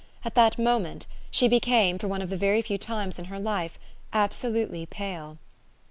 At that moment she be came, for one of very few times in her life, abso lutely pale.